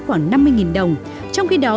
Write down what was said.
khoảng năm mươi đồng trong khi đó